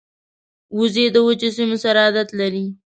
وزې د وچو سیمو سره عادت لري